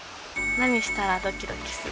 「何したらドキドキする？」。